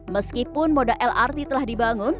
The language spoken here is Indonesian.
meskipun moda lrt telah dibangun